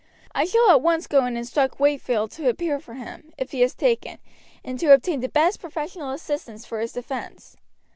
I shall at once go and instruct Wakefield to appear for him, if he is taken, and to obtain the best professional assistance for his defense.